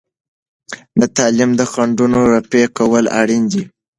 د تعلیم د خنډونو رفع کول اړین دي.